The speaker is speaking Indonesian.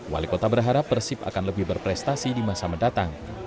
wali kota berharap persib akan lebih berprestasi di masa mendatang